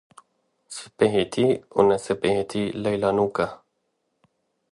Spehîtî û nesipehîtî leylanok e.